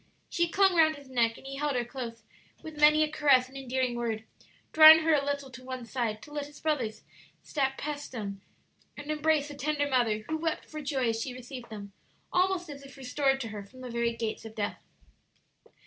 She clung round his neck, and he held her close, with many a caress and endearing word, drawing her a little to one side to let his brothers step past them and embrace the tender mother, who wept for joy as she received them, almost as if restored to her from the very gates of death.